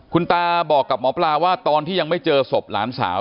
คุณตาบอกกับหมอปลาว่าตอนที่ยังไม่เจอศพหลานสาว